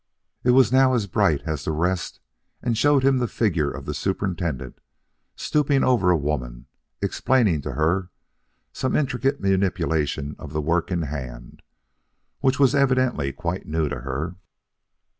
It was now as bright as the rest and showed him the figure of the superintendent stooping over a woman, explaining to her some intricate manipulation of the work in hand which was evidently quite new to her.